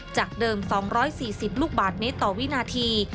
จากเดิม๒๔๐ลูกบาทเมตรต่อวินาที